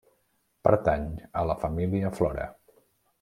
Pertany a la família Flora.